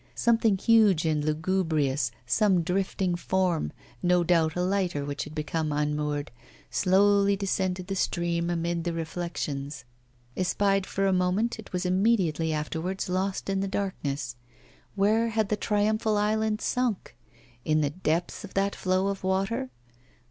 Something huge and lugubrious, some drifting form, no doubt a lighter which had become unmoored, slowly descended the stream amid the reflections. Espied for a moment, it was immediately afterwards lost in the darkness. Where had the triumphal island sunk? In the depths of that flow of water?